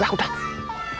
udah udah udah